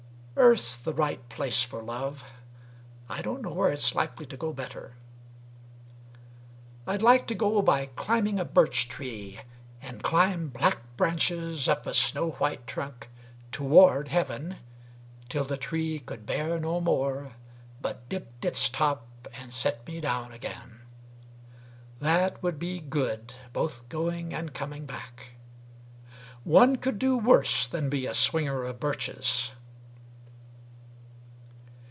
Earth's the right place for love: I don't know where it's likely to go better. I'd like to go by climbing a birch tree, And climb black branches up a snow white trunk Toward heaven, till the tree could bear no more, But dipped its top and set me down again. That would be good both going and coming back. One could do worse than be a swinger of birches.